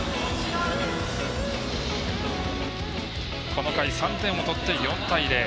この回、３点を取って４対０。